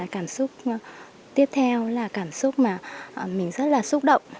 cảm xúc tiếp theo là cảm xúc mà mình rất là xúc động